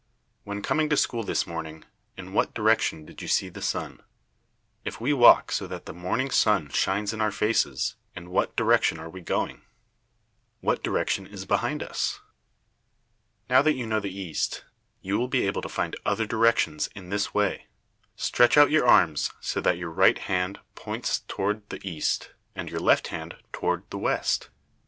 When coming to school this morning, in what direction did you see the sun? If we walk so that the morning sun shines in our faces, in what direction are we going? What direction is behind us? Now that you know the east, you will be able to find other directions in this way: Stretch out your arms so that your right hand points toward the east, and your left hand toward the west.